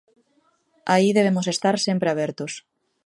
Aí debemos estar sempre abertos.